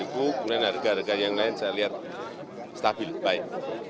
kemudian harga harga yang lain saya lihat stabil baik